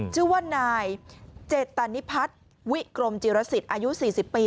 ชื่อว่านายเจตนิพัฒน์วิกรมจิรสิทธิ์อายุ๔๐ปี